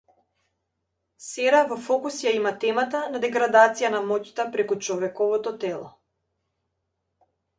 Сера во фокус ја има темата на деградација на моќта преку човековото тело.